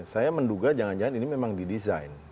saya menduga jangan jangan ini memang di design